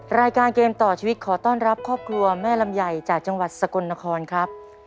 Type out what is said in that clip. รายการเกมต่อชีวิตขอต้อนรับครอบครัวแม่ลำไยจากจังหวัดสกลนครครับ